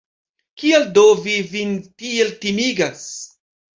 Kial do vi vin tiel timigas?